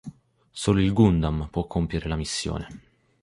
Solo il Gundam può compiere la missione.